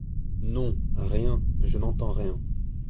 Non, rien, je n'entends rien.